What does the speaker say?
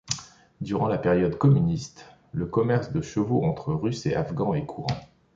Durant la période communiste, le commerce de chevaux entre Russes et Afghans est courant.